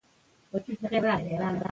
هر انسان یو استعداد لري.